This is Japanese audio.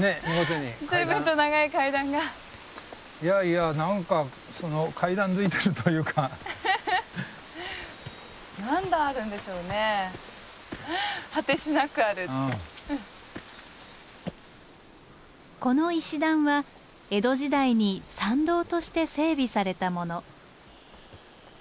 いやいやこの石段は江戸時代に参道として整備されたもの。